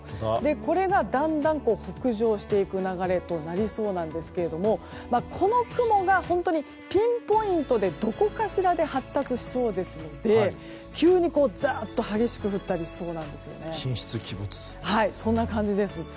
これがだんだん北上していく流れとなりそうなんですけれどもこの雲が本当にピンポイントでどこかしらで発生しそうですので急にざっと激しく降ったりしそうなんですよね。